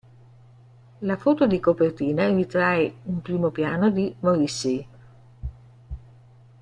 La foto di copertina ritrae un primo piano di Morrissey.